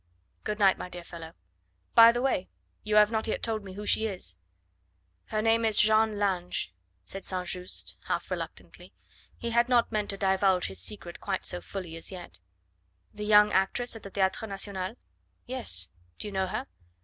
"Good night, my dear fellow. By the way, you have not told me yet who she is." "Her name is Jeanne Lange," said St. Just half reluctantly. He had not meant to divulge his secret quite so fully as yet. "The young actress at the Theatre National?" "Yes. Do you know her?"